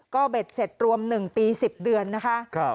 ก็เบ็ดเสร็จรวม๑ปี๑๐เดือนนะคะ